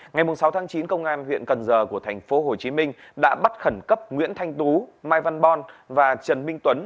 ngày sáu chín công an huyện cần giờ của tp hcm đã bắt khẩn cấp nguyễn thanh tú mai văn bon và trần minh tuấn